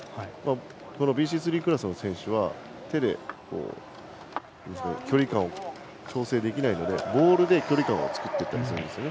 ＢＣ３クラスの選手は手で距離感を調整できないのでボールで距離感をつかんだりするんですよね。